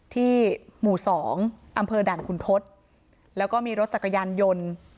ที่หมู่๒อดคุณทศแล้วก็มีรถจักรยานยนต์